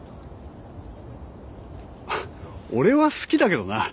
俺は好きだけどな。